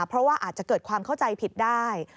เพราะว่าอาจจะเกิดความเข้าใจผิดได้